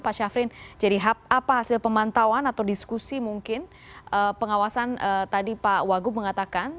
pak syafrin jadi apa hasil pemantauan atau diskusi mungkin pengawasan tadi pak wagub mengatakan